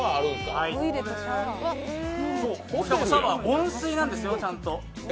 温水なんですよ、ちゃんと。